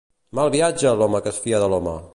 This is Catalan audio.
Malviatge l'home que es fia de l'home!